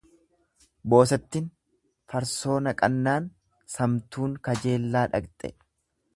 Boosettin farsoo naqannaan samtuun kajjeellaa dhaqxe.